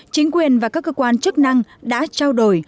chính quyền và các cơ quan chức năng đã trao đổi